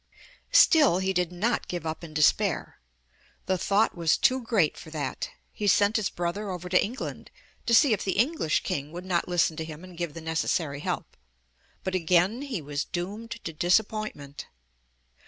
Still he did not give up in despair. The thought was too great for that. He sent his brother over to England to see if the English King would not listen to him and give the necessary help, but again he was doomed to disappointment.